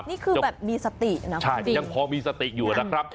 นี่คือแบบมีสติเนอะใช่ยังพอมีสติอยู่นะครับ